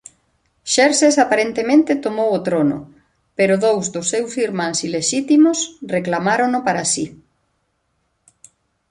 Xerxes aparentemente tomou o trono pero dous dos seus irmáns ilexítimos reclamárono para si.